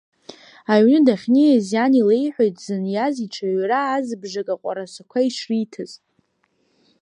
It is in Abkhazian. Аҩны дахьнеиз иан илеиҳәеит дзыниаз иҽаҩра азыбжак аҟәарасақәа ишриҭаз.